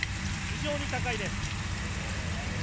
非常に高いです。